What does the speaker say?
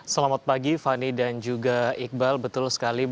selamat pagi fani dan juga iqbal